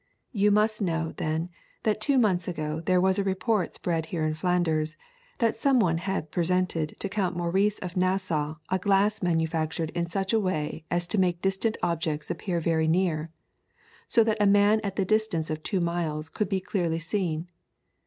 You must know, then, that two months ago there was a report spread here that in Flanders some one had presented to Count Maurice of Nassau a glass manufactured in such a way as to make distant objects appear very near, so that a man at the distance of two miles could be clearly seen.